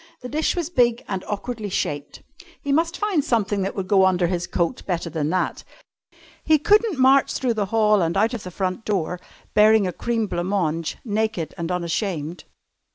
The dish was big and awkwardly shaped. He must find something that would go under his coat better than that. He couldn't march through the hall and out of the front door, bearing a cream blanc mange, naked and unashamed.